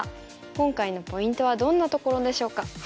今回のポイントはどんなところでしょうか。